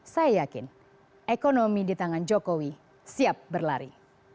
saya yakin ekonomi di tangan jokowi siap berlari